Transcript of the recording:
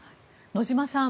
野嶋さん